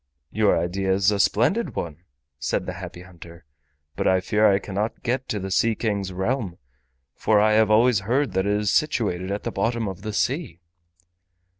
"Your idea is a splendid one," said the Happy Hunter, "but I fear I cannot get to the Sea King's realm, for I have always heard that it is situated at the bottom of the sea."